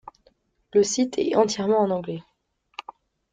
Le site est entièrement en anglais.